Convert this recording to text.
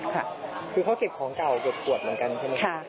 คือเขาเก็บของเก่าเก็บขวดเหมือนกันใช่มั้ย